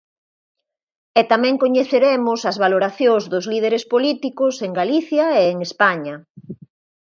E tamén coñeceremos as valoracións dos líderes políticos en Galicia e en España.